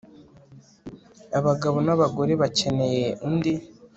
Abagabo nabagore bakeneye undi